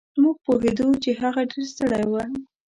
مونږ پوهېدو چې هغه ډېر ستړی و.